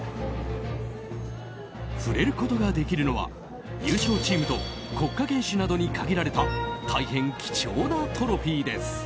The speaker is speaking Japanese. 触れることができるのは優勝チームと国家元首などに限られた大変貴重なトロフィーです。